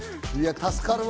助かるわ。